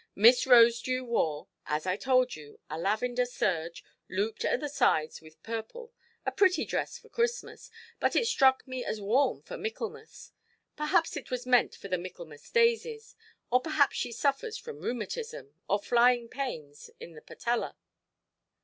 Miss Rosedew wore, as I told you, a lavender serge, looped at the sides with purple—a pretty dress for Christmas, but it struck me as warm for Michaelmas. Perhaps it was meant for the Michaelmas daisies; or perhaps she suffers from rheumatism, or flying pains in the patella".